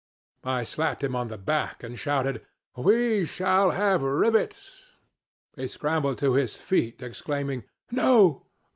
"I slapped him on the back and shouted, 'We shall have rivets!' He scrambled to his feet exclaiming 'No!